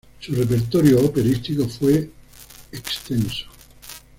Su repertorio operístico fue extenso.